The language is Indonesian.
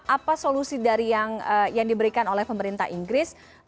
apa solusi dari yang diberikan oleh pemerintah inggris